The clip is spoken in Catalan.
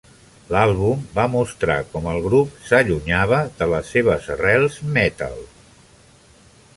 L'àlbum va mostrar com el grup s'allunyava de les seves arrels "metal".